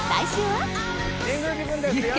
岐阜県